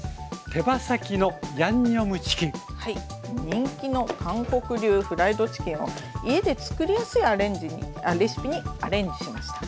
人気の韓国流フライドチキンを家で作りやすいレシピにアレンジしました。